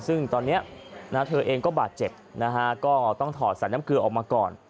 ซึ่งตอนนี้เธอเองก็บาดเจ็บนะฮะก็ต้องถอดใส่น้ำเกลือออกมาก่อน